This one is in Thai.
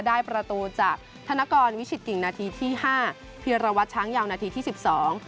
ได้ประตูจากธนกรวิชิตกิ่งนาทีที่ห้าพีรวัตรช้างยาวนาทีที่สิบสอง